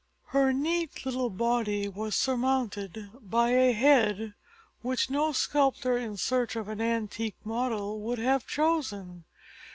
Her neat little body was surmounted by a head which no sculptor in search of an antique model would have chosen.